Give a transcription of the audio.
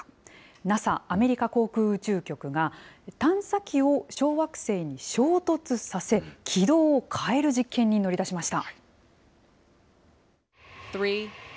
ＮＡＳＡ・アメリカ航空宇宙局が、探査機を小惑星に衝突させ、軌道を変える実験に乗り出しました。